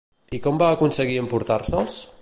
I com va aconseguir emportar-se'ls?